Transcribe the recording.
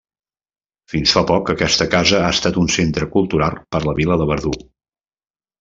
Fins fa poc aquesta casa ha estat un centre cultural per la vila de Verdú.